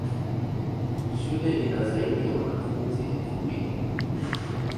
Shule ina zaidi ya wanafunzi elfu mbili.